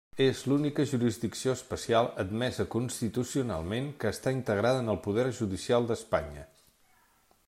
És l'única jurisdicció especial admesa constitucionalment que està integrada en el poder judicial d'Espanya.